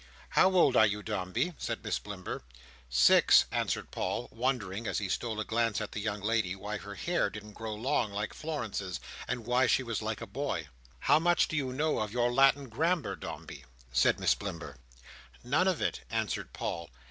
"How old are you, Dombey?" said Miss Blimber. "Six," answered Paul, wondering, as he stole a glance at the young lady, why her hair didn't grow long like Florence's, and why she was like a boy. "How much do you know of your Latin Grammar, Dombey?" said Miss Blimber. "None of it," answered Paul.